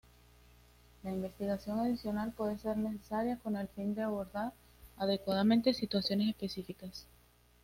La investigación adicional puede ser necesaria con el fin de abordar adecuadamente situaciones específicas.